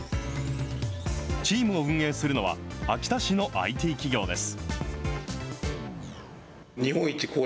チームを運営するのは、秋田市のＩＴ企業です。